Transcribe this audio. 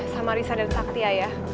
sama risa dan sakti ayah